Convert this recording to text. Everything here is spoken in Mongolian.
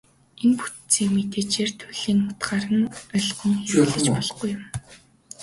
Энэ бүтцийг мэдээжээр туйлын утгаар нь ойлгон хэрэглэж болохгүй юм.